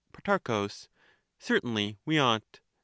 Pro, Certainly we ought.